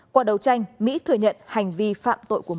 qua đầu tranh mỹ thừa nhận hành vi phạm tội của mình